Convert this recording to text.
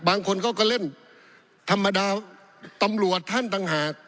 บางคนเขาก็เล่นธรรมดาตำรวจท่านต่างหาก